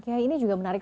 ini juga menarik